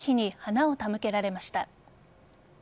原爆慰霊碑に花を手向けられました。